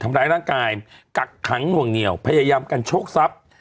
ทำร้ายร่างกายกักขังหน่วงเหนียวพยายามกันโชคทรัพย์